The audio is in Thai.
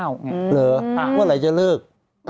วันไหร่จะเลิก